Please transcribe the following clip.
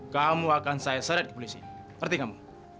kamu akan saya seret ke polisi ngerti kamu